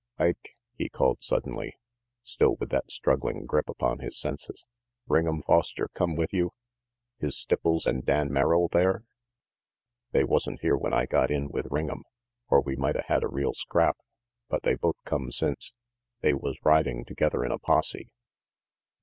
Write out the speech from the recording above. "Ike," he called suddenly, still with that struggling grip upon his senses, "Ring 'em Foster come with you is Stipples and Dan Merrill there?" "They wasn't here when I got in with Ring'em, or we mighta had a real scrap, but they both\come since. They was riding together in a posse."